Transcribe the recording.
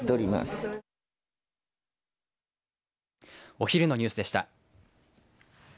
お昼のニュースでした。